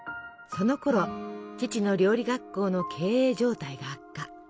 そのころ父の料理学校の経営状態が悪化。